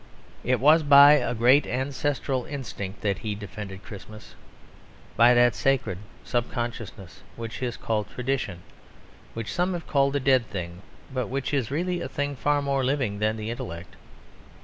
It was by a great ancestral instinct that he defended Christmas; by that sacred sub consciousness which is called tradition, which some have called a dead thing, but which is really a thing far more living than the intellect.